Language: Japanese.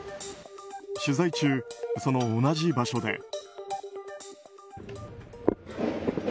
取材中、その同じ場所で。